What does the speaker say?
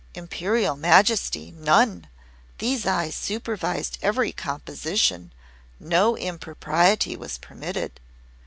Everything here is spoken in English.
"Imperial Majesty, none! These eyes supervised every composition. No impropriety was permitted."